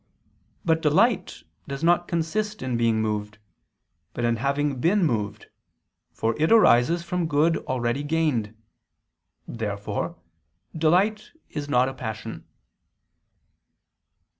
But delight does not consist in being moved, but in having been moved; for it arises from good already gained. Therefore delight is not a passion.